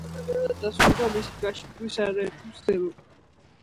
წარუმატებლად დასრულდა მისი გაშიფვრის არაერთი მცდელობა.